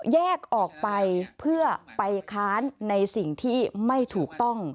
แยกออกไปเพื่อไปค้านในสิ่งที่ไม่ถูกต้อง